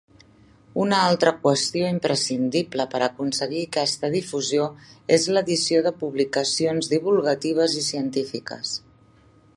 Una altra qüestió imprescindible per aconseguir aquesta difusió és l'edició de publicacions divulgatives i científiques.